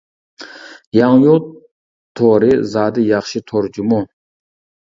ياڭيۇ تورى زادى ياخشى تور جۇمۇ!